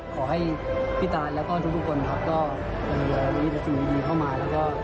ขอให้นายที่ดูวุคคลก็เป็นในวันที่จะสูงดีเข้ามา